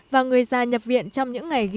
và người ra nhập viện trong những ngày gần đây